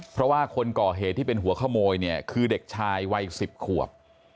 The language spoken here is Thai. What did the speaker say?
เพราะว่าคนก่อเหตุที่เป็นหัวขโมยเนี่ยคือเด็กชายวัย๑๐ขวบ